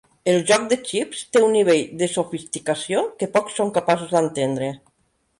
El joc de xips té un nivell de sofisticació que pocs són capaços d'entendre.